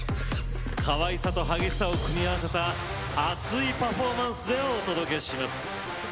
かわいさと激しさを組み合わせた熱いパフォーマンスでお届けします。